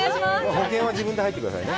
保険は自分で入ってくださいね。